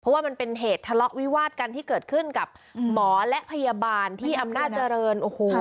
เพราะว่ามันเป็นเหตุทะเลาะวิวาดกันที่เกิดขึ้นกับหมอและพยาบาลที่อำนาจเจริญโอ้โห